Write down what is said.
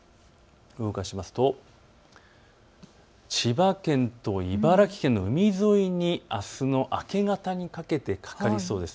動かしますと千葉県と茨城県の海沿いにあすの明け方にかけてかかりそうです。